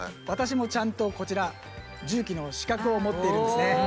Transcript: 私もちゃんとこちら重機の資格を持っているんですね。